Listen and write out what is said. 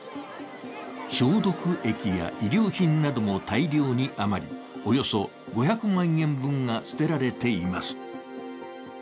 消毒液や医療品なども大量に余り、およそ５００万円分が捨てられています。